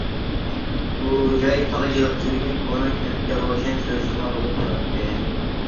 بۇ جاي تاغ جىلغىسىدىكى كونا كەنتكە روشەن سېلىشتۇرما بولۇپ تۇراتتى.